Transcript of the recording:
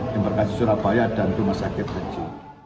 tim berkasi surabaya dan rumah sakit haji